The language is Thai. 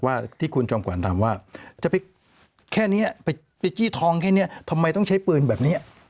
ว่าที่คุณจอมขวัญถามว่าจะไปแค่นี้ไปจี้ทองแค่นี้ทำไมต้องใช้ปืนแบบนี้